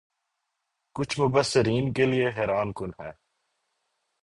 کچھ مبصرین کے لئے حیران کن ہے